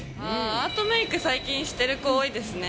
アートメーク、最近している子、多いですね。